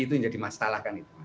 itu yang jadi masalah kan itu